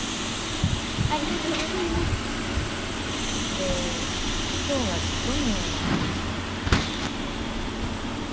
で今日はどのようなお話で？